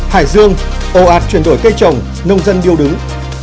hải dương ồ ạt chuyển đổi cây trồng nông dân điêu đứng